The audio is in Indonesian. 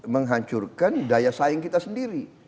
menghancurkan daya saing kita sendiri